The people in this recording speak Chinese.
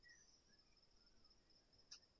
上奥里藏特是巴西戈亚斯州的一个市镇。